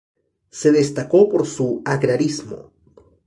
Se destacó por su agrarismo.